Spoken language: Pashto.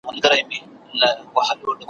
امریکا به هیڅکله